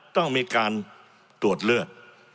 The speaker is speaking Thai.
ต้องมีการตรวจเลือด